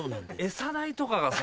餌代とかがさ。